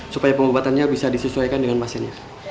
supaya pemobatannya bisa disesuaikan dengan masinnya